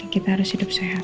kita harus hidup sehat